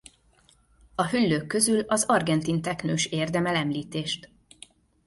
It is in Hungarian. A hüllők közül az argentin teknős érdemel említést.